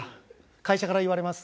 会社から言われます。